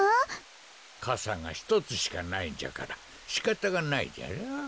かさがひとつしかないんじゃからしかたがないじゃろう。